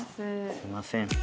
すいません。